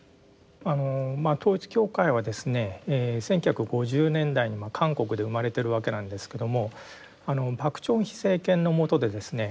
あの統一教会はですね１９５０年代に韓国で生まれてるわけなんですけども朴正煕政権の下でですね